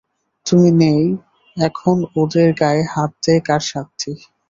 তুমি নেই এখন ওদের গায়ে হাত দেয় কার সাধ্যি।